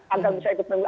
agar bisa ikut pemilu